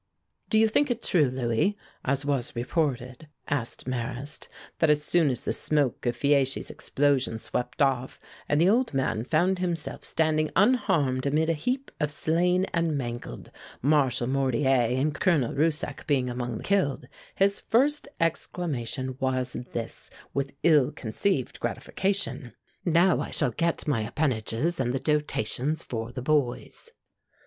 "Do you think it true, Louis, as was reported," asked Marrast, "that as soon as the smoke of Fieschi's explosion swept off, and the old man found himself standing unharmed amid a heap of slain and mangled, Marshal Mortier and Colonel Rieussec being among the killed, his first exclamation was this, with, ill concealed gratification, 'Now I shall get my appanages and the dotations for the boys.'"